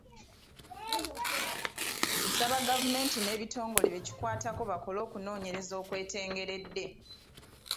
Nsaba gavumenti n’ebitongole ebikwatibwako bakole okunoonyereza okwetengeredde.